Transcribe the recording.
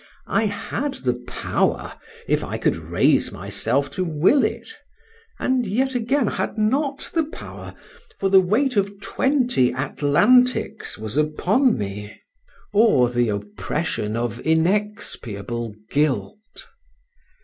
I had the power, if I could raise myself to will it, and yet again had not the power, for the weight of twenty Atlantics was upon me, or the oppression of inexpiable guilt.